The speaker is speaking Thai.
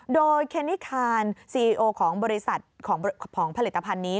โดยเคนี่คานซีเอโอของผลิตภัณฑ์นี้